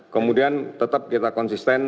kemudian tetap kita konsisten